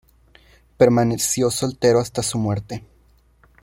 Permaneció soltero hasta su muerte.